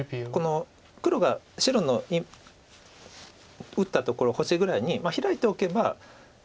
黒が白の打ったところ星ぐらいにヒラいておけばすごく。